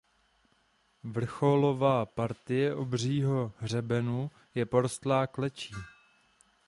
Vrcholová partie Obřího hřebenu je porostlá klečí.